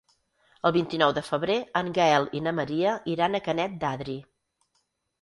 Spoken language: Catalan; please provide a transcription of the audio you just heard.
El vint-i-nou de febrer en Gaël i na Maria iran a Canet d'Adri.